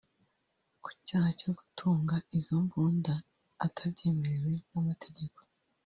Ku cyaha cyo gutunga izo mbunda atabyemerewe n’amategeko